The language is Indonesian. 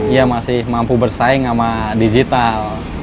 iya masih mampu bersaing sama digital